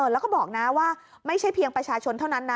แล้วก็บอกนะว่าไม่ใช่เพียงประชาชนเท่านั้นนะ